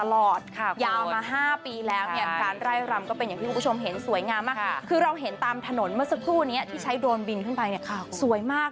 โรตค่ะคุณมห้าปีแล้วเนี่ยการค่ะล์ร่ายรำจะเป็นอย่างคิดผู้ชมเห็นสวยงามมาค่ะคือเราเห็นตามถนนเมื่อสักครู่นี้อ่ะที่ใช้โดนบินขึ้นไปเนี่ยค่ะสวยมาก